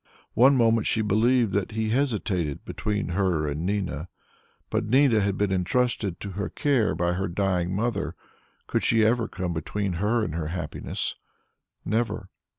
One moment she believed that he hesitated between her and Nina. But Nina had been entrusted to her care by her dying mother; could she ever come between her and her happiness? Never!